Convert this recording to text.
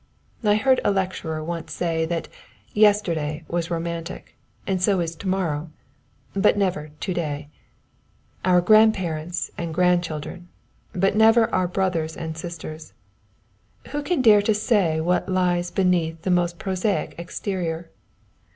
I heard a lecturer once say that Yesterday was romantic, and so is To morrow, but never To day our grandparents and grandchildren, but never our brothers and sisters. Who can dare to say what lies beneath the most prosaic exterior?